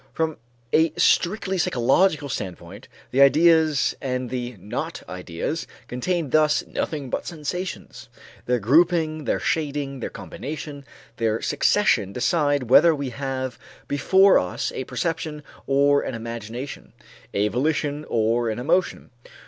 From a strictly psychological standpoint, the ideas and the not ideas contain thus nothing but sensations. Their grouping, their shading, their combination, their succession decide whether we have before us a perception or an imagination, a volition or an emotion.